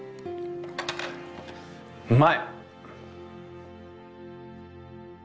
うまい！